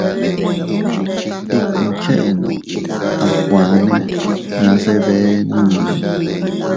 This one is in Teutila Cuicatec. Ikkun cheʼeno amkuane nase bee nunni.